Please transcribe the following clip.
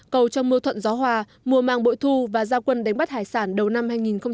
cầu cho mưa thuận gió hòa mùa màng bội thu và gia quân đánh bắt hải sản đầu năm hai nghìn hai mươi